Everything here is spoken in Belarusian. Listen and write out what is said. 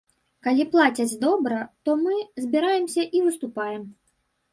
Калі плацяць добра, то мы збіраемся і выступаем.